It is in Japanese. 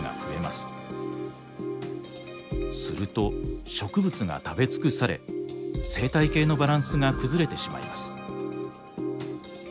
すると植物が食べ尽くされ生態系のバランスが崩れてしまいます。